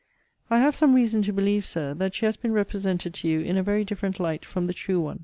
I have some reason to believe, Sir, that she has been represented to you in a very different light from the true one.